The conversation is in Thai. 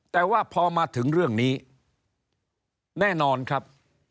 แต่ว่าพอมาถึงเรื่องนี้แน่นอนครับ